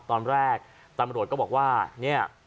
ตอนแรกตำรวจก็บอกว่าเนี่ย